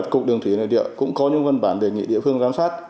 cục đường thủy cũng có những văn bản đề nghị địa phương giám sát